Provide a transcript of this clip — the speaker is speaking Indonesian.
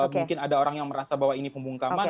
mungkin ada orang yang merasa bahwa ini pembungkaman